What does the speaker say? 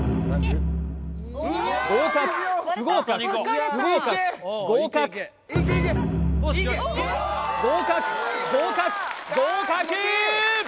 合格不合格不合格合格合格合格合格！